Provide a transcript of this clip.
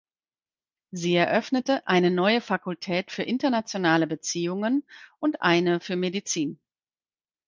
Sie eröffnete eine neue Fakultät für internationale Beziehungen und eine für Medizin.